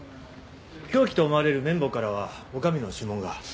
凶器と思われる麺棒からは女将の指紋が。